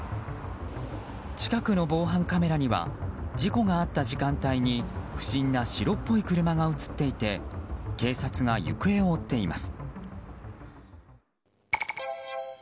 近くの防犯カメラには事故があった時間帯に不審な白っぽい車が映っていて警察が行方を追っています。